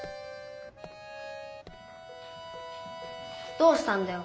どうしたんだよ？